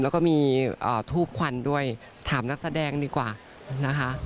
แล้วก็มีทูบควันด้วยถามนักแสดงดีกว่านะคะ